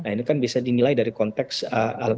ini kan bisa dinilai dari konteks alat